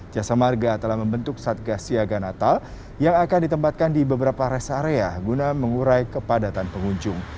jasa marga telah membentuk satgas siaga natal yang akan ditempatkan di beberapa rest area guna mengurai kepadatan pengunjung